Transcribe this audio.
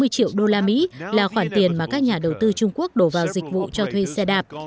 năm mươi triệu đô la mỹ là khoản tiền mà các nhà đầu tư trung quốc đổ vào dịch vụ cho thuê xe đạp